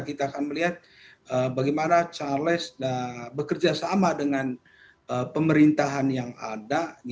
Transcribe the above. kita akan melihat bagaimana charles bekerja sama dengan pemerintahan yang ada